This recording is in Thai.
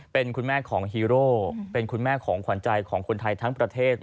เป็นคุณแม่ของฮีโร่เป็นคุณแม่ของขวัญใจของคนไทยทั้งประเทศ